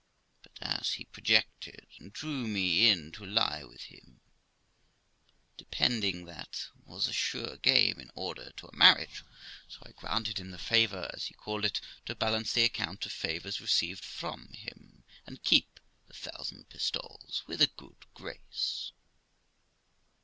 But as he projected and drew me in to lie with him, depending that was a sure game in order to a marriage, so I granted him the favour, as he called it, to balance the account of favours received from him, and keep the thousand pistoles with a good grace.